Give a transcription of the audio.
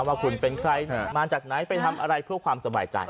ว่าคุณเป็นใครมาจากไหนไปทำอะไรเพื่อความสบายใจ